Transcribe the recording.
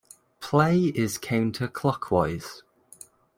Play is counter-clockwise.